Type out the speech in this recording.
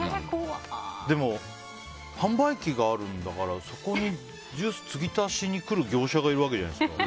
でも販売機があるんだからそこにジュース継ぎ足しに来る業者がいるわけじゃないですか。